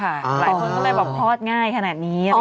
หลายคนก็เลยบอกคลอดง่ายขนาดนี้